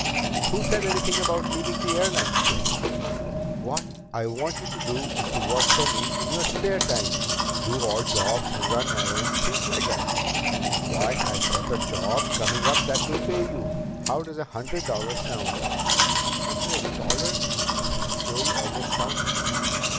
"Who said anything about leaving the airline, kid? What I want you to do is work for me in your spare time do odd jobs, run errands, things like that. Why, I've got a job coming up that will pay you How does a hundred dollars sound?" "A hundred dollars!" Joey almost shouted.